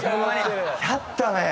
やったねぇ。